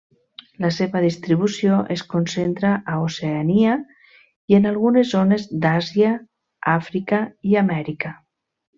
La seva distribució es concentra a Oceania i en algunes zones d'Àsia, Àfrica i Amèrica.